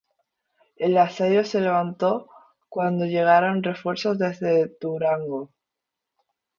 El asedio se levantó cuando llegaron refuerzos desde Durango.